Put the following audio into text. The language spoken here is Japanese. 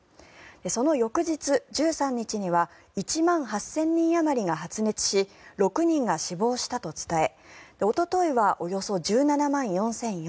その翌日、１３日には１万８０００人あまりが発熱し６人が死亡したと伝えおとといはおよそ１７万４４００人